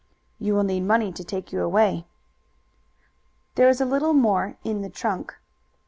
"You will need money to take you away." "There is a little more in the trunk."